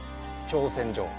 挑戦状